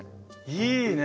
いいね。